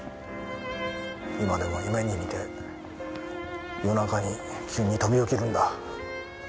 今でも夢に見て夜中に急に飛び起きるんだ。